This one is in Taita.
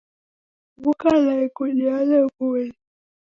W'uka naighu niale w'uli.